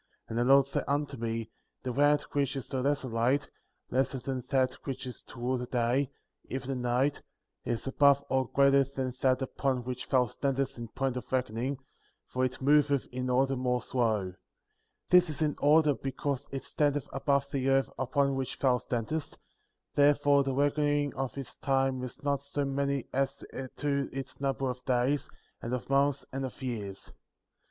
* 5. And the Lord said unto me : The planet which is the lesser light, lesser than that which is to rule the day, even the night, is above or greater than that upon which thou standest in point of reckoning, for it moveth in order more slow; this is in order because it standeth above the earth upon which thou standest, therefore the reckoning of its time is not so many as to its number of days, and of months, and of years.